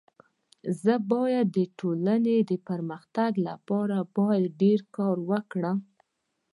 زه بايد د ټولني د پرمختګ لپاره باید ډير کار وکړم.